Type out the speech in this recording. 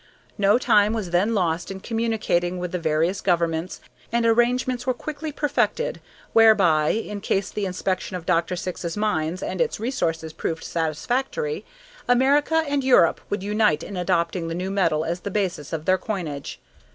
No time was then lost in communicating with the various governments, and arrangements were quickly perfected whereby, in case the inspection of Dr. Syx's mine and its resources proved satisfactory, America and Europe should unite in adopting the new metal as the basis of their coinage.